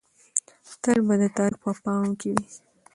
تل به د تاریخ په پاڼو کې وي.